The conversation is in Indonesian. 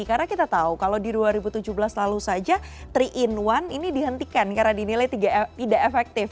karena kita tahu kalau di dua ribu tujuh belas lalu saja tiga in satu ini dihentikan karena dinilai tidak efektif